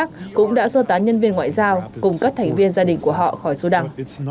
các quốc gia khác cũng đã sơ tán nhân viên ngoại giao cùng các thành viên gia đình của họ khỏi sudan